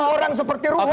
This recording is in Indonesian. orang seperti ruhut